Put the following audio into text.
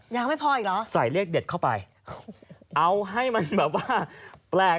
ยังไม่พออีกเหรอใส่เลขเด็ดเข้าไปเอาให้มันแบบว่าแปลก